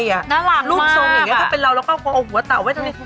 น่ารักมากค่ะลูกทรงอย่างนี้ถ้าเป็นเราเราก็เอาหัวต่าวไว้ที่นี่